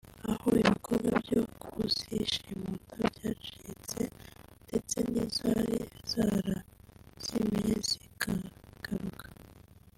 aho ibikorwa byo kuzishimuta byacitse ndetse n’izari zarazimiye zikagaruka